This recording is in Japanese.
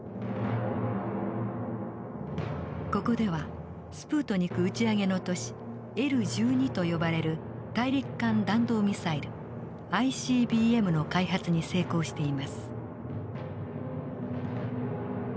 ここではスプートニク打ち上げの年Ｒ−１２と呼ばれる大陸間弾道ミサイルＩＣＢＭの開発に成功しています。